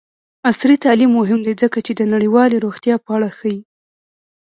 عصري تعلیم مهم دی ځکه چې د نړیوالې روغتیا په اړه ښيي.